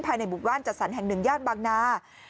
ภายในบุควันจัดสรรแห่งหนึ่งญาติบังนา